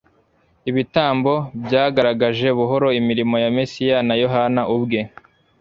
Ibitambo byagaragaje buhoro imirimo ya Mesiya Na Yohana ubwe